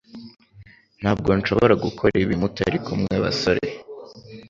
Ntabwo nshobora gukora ibi mutari kumwe basore